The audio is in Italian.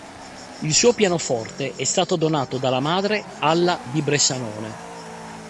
Il suo pianoforte è stato donato dalla madre alla di Bressanone.